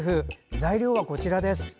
材料はこちらです。